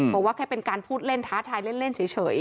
บอกว่าแค่เป็นการพูดเล่นท้าทายเล่นเฉย